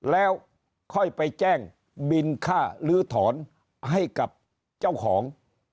แล้วค่อยไปแจ้งบินค่าลื้อถอนให้กับเจ้าของ